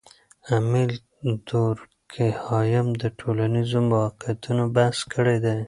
امیل دورکهایم د ټولنیزو واقعیتونو بحث کړی دی.